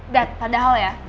dad padahal ya